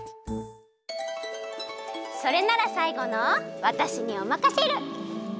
それならさいごのわたしにおまかシェル！